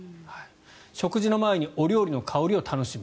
食事の前にお料理の香りを楽しむ。